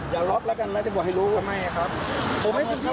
อย่ารอบแล้วกันนะ